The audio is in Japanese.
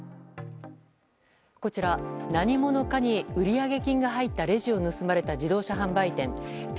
こちら、何者かに売上金が入ったレジを盗まれた自動車販売店。